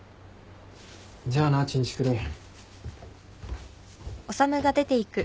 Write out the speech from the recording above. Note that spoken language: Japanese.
じゃあなちんちくりん。